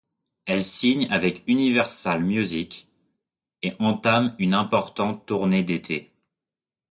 Elle signe avec Universal Music et entame une importante tournée d'été.